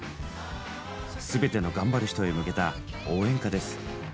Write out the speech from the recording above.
すべての頑張る人へ向けた応援歌です。